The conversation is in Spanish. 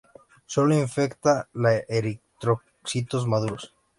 Sólo infecta los eritrocitos maduros.